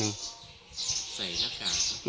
ใส่รักษา